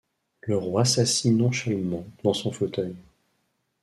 Le roi s’assied nonchalamment dans son fauteuil.